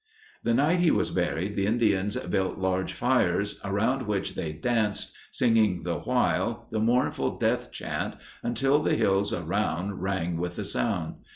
"The night he was buried the Indians built large fires, around which they danced, singing the while the mournful death chaunt, until the hills around rang with the sound.